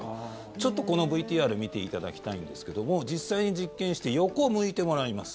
ちょっと、このＶＴＲ見ていただきたいんですけども実際に実験して横を向いてもらいます。